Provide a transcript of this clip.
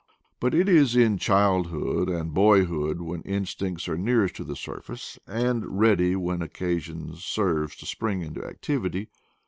But it is in childhood and boyhood, when in stincts are nearest to the surface, and ready when occasion serves to spring into activity.